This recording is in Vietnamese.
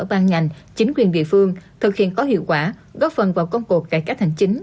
ban ngành chính quyền địa phương thực hiện có hiệu quả góp phần vào công cuộc cải cách hành chính